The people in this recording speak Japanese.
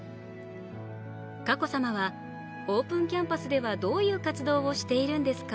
佳子さまは、オープンキャンパスではどういう活動をしているんですか？